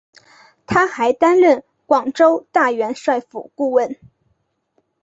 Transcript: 他还担任广州大元帅府顾问。